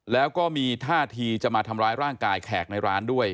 แล้วก็มีท่าทีจะมาทำร้ายร่างกายแขกในร้านด้วย